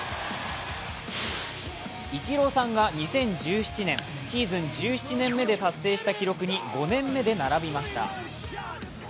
イチローさんが２０１７年シーズン１７年目で達成した記録に５年目で並びました。